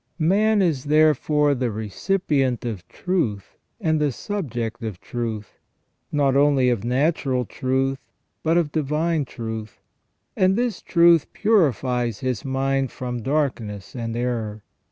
Man is therefore the recipient of truth and the subject of truth : not only of natural truth, but of divine truth. And this truth purifies his mind from darkness and error.